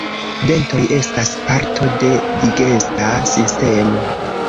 Dentoj estas parto de digesta sistemo.